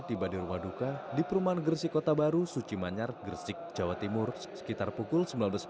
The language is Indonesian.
tiba di rumah duka di perumahan gresik kota baru suci manyar gresik jawa timur sekitar pukul sembilan belas empat puluh